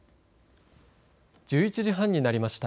１１時半になりました。